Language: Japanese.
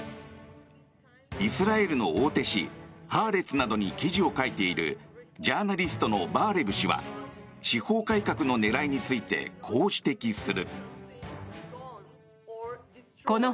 イスラエルの大手紙ハアレツなどに記事を書いているジャーナリストのバーレブ氏は司法改革の狙いについてこう指摘する。